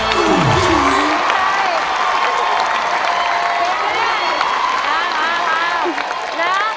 ดีใจด้วยค่ะ